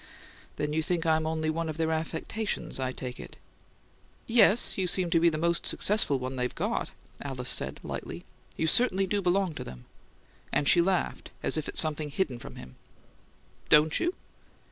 "Then you think I'm only one of their affectations, I take it." "Yes, you seem to be the most successful one they've got!" Alice said, lightly. "You certainly do belong to them." And she laughed as if at something hidden from him. "Don't you?"